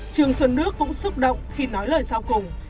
trương xuân nước cũng xúc động khi nói lời sau cùng